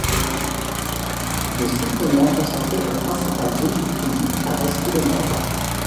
Des suppléments consacrés aux principales villes du pays paraissent tous les mois.